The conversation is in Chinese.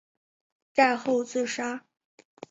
战后自杀。